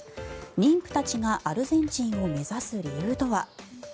妊婦たちがアルゼンチンを目指す理由とは。